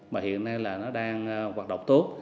mà hiện nay là nó đang hoạt động tốt